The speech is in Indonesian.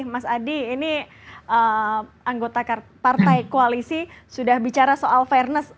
mas adi ini anggota partai koalisi sudah bicara soal fairness